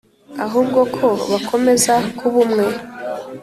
ahubwo ko bakomeza kuba umwe.